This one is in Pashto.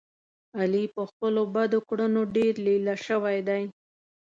علي په خپلو بدو کړنو ډېر لیله شو دی.